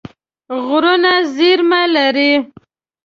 غرونه زیرمه لري.